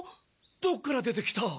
どっから出てきた？